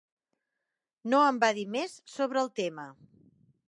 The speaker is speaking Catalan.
No em va dir més sobre el tema.